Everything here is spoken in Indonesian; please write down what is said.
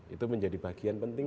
itu menjadi bagian penting